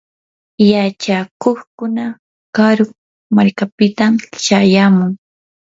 yachakuqkuna karu markapitam shayamun.